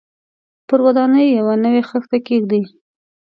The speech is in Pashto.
پر ودانۍ یوه نوې خښته کېږدي.